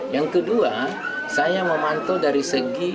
yang kedua saya memantau dari segi